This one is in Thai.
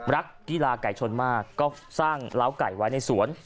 รักกีฬาไก่ชนมากก็สร้างล้าวไก่ไว้ในสวน